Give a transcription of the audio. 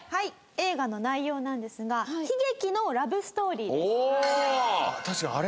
映画の内容なんですが悲劇のラブストーリーです。